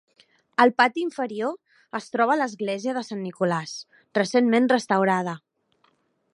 Al pati inferior es troba l'església de Sant Nicolás, recentment restaurada.